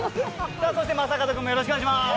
そして正門君もよろしくお願いします。